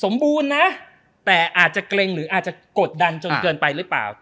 สมบูรณ์นะแต่อาจจะเกร็งหรืออาจจะกดดันจนเกินไปหรือเปล่า